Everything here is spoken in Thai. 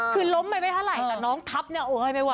คือล้มไปไม่เท่าไหร่แต่น้องทับเนี่ยโอ๊ยไม่ไหว